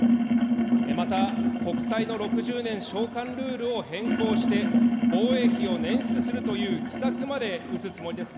また、国債の６０年償還ルールを変更して、防衛費を捻出するという奇策まで打つつもりですか。